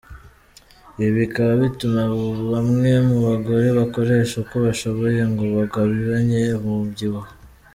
Ibi bikaba bituma bamwe mu bagore bakoresha uko bashoboye ngo bagabanye umubyibuho.